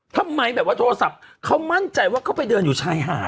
ทำไมแบบว่าโทรศัพท์เขามั่นใจว่าเขาไปเดินอยู่ชายหาด